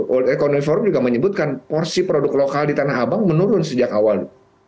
world economy forum juga menyebutkan porsi produk lokal di tanah abang menurun sejak awal